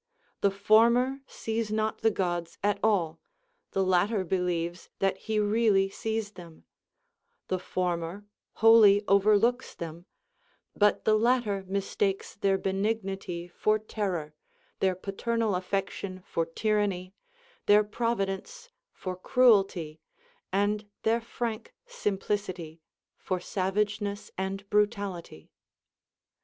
The former sees not the Gods at all, the latter believes that he really sees them ; the former wholly overlooks them, but the latter mistakes their benignity for terror, their paternal aifection for tyranny, their providence for cruelty, and their frank sim plicity for savageness and brutality.